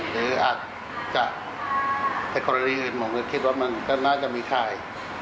ว่าเกิดจากอะไรพูดได้ไหมคะว่าเกิดจากอะไร